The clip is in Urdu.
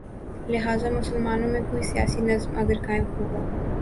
لہذا مسلمانوں میں کوئی سیاسی نظم اگر قائم ہو گا۔